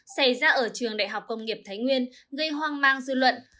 xảy ra ở trường đại học công nghiệp thái nguyên gây hoang mang dư luận